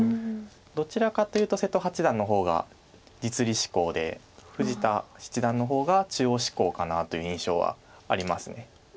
どちらかというと瀬戸八段の方が実利志向で富士田七段の方が中央志向かなという印象はあります。